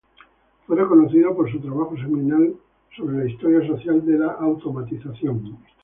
Fue reconocido por su trabajo seminal sobre la historia social de la automatización.